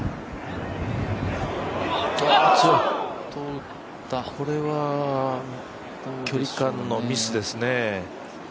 強い、これは距離感のミスですね。